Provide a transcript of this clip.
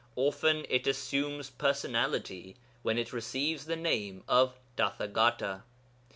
Often it assumes personality, when it receives the name of Tathagata.